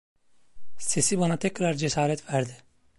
Sesi bana tekrar cesaret verdi.